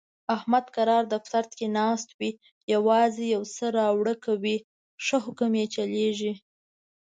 احمد کرار دفتر کې ناست وي، یووازې یوسه راوړه کوي، ښه حکم یې چلېږي.